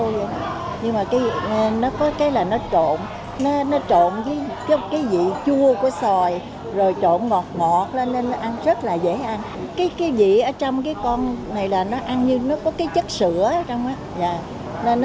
vừa ngọt vừa chua